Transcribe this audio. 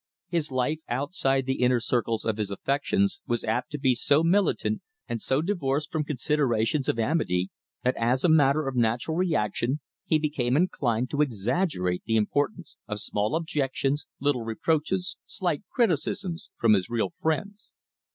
His life outside the inner circles of his affections was apt to be so militant and so divorced from considerations of amity, that as a matter of natural reaction he became inclined to exaggerate the importance of small objections, little reproaches, slight criticisms from his real friends.